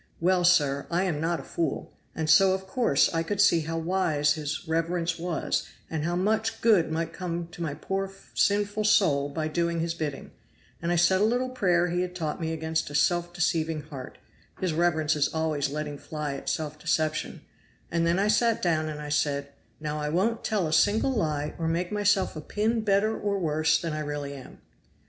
Well, sir, I am not a fool, and so of course I could see how wise his reverence was, and how much good might come to my poor sinful soul by doing his bidding; and I said a little prayer he had taught me against a self deceiving heart his reverence is always letting fly at self deception and then I sat down and I said, 'Now I won't tell a single lie or make myself a pin better or worse than I really am.